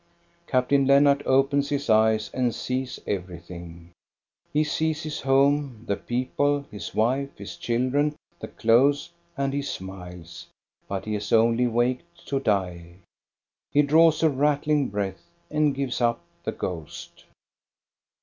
Captain Lennart opens his eyes and sees everything. He sees his home, the people, his wife, his chil dren, the clothes; and he smiles. But he has only waked to die. He draws a rattling breath and gives up the ghost.